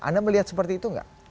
anda melihat seperti itu enggak